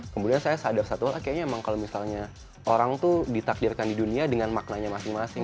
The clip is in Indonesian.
kemudian saya sadar satu hal kayaknya emang kalau misalnya orang tuh ditakdirkan di dunia dengan maknanya masing masing